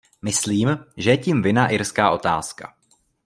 Myslím, že je tím vinna irská otázka.